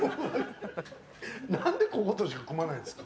なんでこことしか組まないんですか。